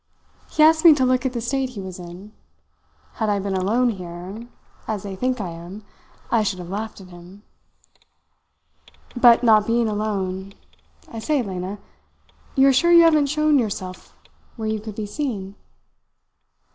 "He asked me to look at the state he was in. Had I been all alone here, as they think I am, I should have laughed at him. But not being alone I say, Lena, you are sure you haven't shown yourself where you could be seen?"